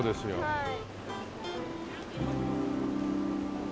はい。